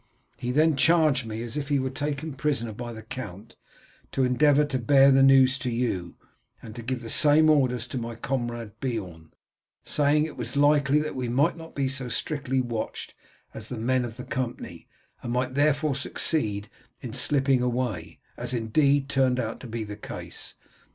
He then charged me if he was taken prisoner by the count to endeavour to bear the news to you, and to give the same orders to my comrade Beorn, saying it was likely that we might not be so strictly watched as the men of the company, and might therefore succeed in slipping away, as indeed turned out to be the case.